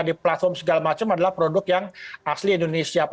di platform segala macam adalah produk yang asli indonesia